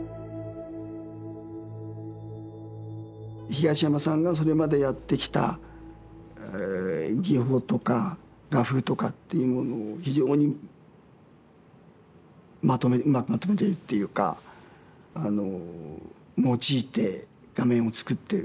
東山さんがそれまでやってきた技法とか画風とかっていうものを非常にうまくまとめているっていうか用いて画面を作っている。